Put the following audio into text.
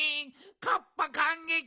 カッパかんげき！